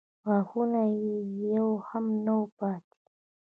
غاښونه یې يو هم نه و پاتې.